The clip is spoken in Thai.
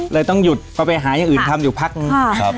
ต้องหยุดก็ไปหาอย่างอื่นทำอยู่พักนึง